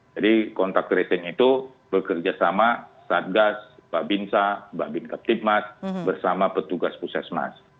jadi kontak tracing itu bekerja sama satgas mbak bin sa mbak bin keptit mas bersama petugas pusat mas